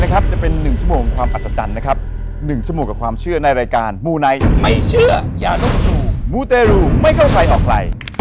คุณแน่ใจรึเปล่าว่า